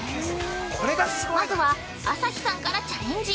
まずは、朝日さんからチャレンジ。